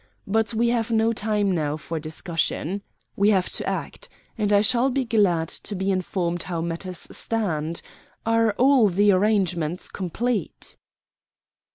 "But we have no time now for discussion. We have to act. And I shall be glad to be informed how matters stand. Are all the arrangements complete?"